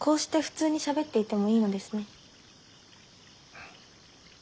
うん。